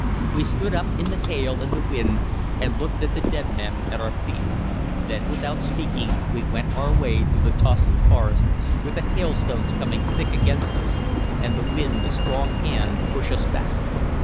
We stood up in the hail and the wind, and looked at the dead men at our feet. Then, without speaking, we went our way through the tossing forest, with the hailstones coming thick against us, and the wind a strong hand to push us back.